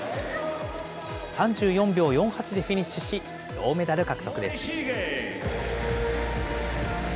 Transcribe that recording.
３４秒４８でフィニッシュし、銅メダル獲得です。